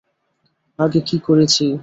আগে কী করেছি?